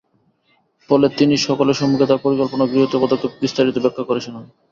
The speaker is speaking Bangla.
ফলে তিনি সকলের সম্মুখে তার পরিকল্পনা ও গৃহীত পদক্ষেপ বিস্তারিত ব্যাখ্যা করে শুনান।